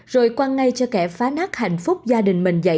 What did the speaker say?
rồi quăng ngay cho kẻ phá nát hạnh phúc gia đình mình dạy dỗ